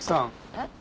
えっ？